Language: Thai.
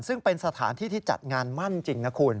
ซึ่งเป็นสถานที่ที่จัดงานมั่นจริงนะคุณ